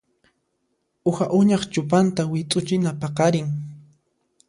Uha uñaq cupanta wit'uchina paqarin.